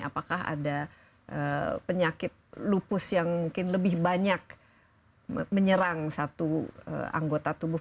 apakah ada penyakit lupus yang mungkin lebih banyak menyerang satu anggota tubuh